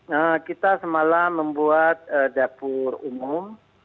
nah kita semalam membuat dapur umum